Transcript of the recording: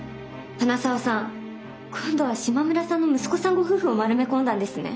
花澤さん今度は島村さんの息子さんご夫婦を丸め込んだんですね。